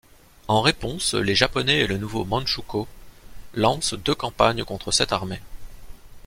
En réponse, les Japonais et le nouveau Mandchoukouo lancent deux campagnes contre cette armée.